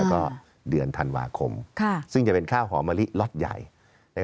แต่ว่ามันก็ต้องเรียนว่าข้าวเนี่ยยังไม่ได้ออก